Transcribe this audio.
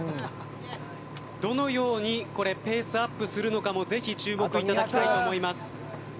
どのようにペースアップするのかぜひ注目いただきたいと思います。